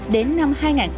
đến năm hai nghìn hai mươi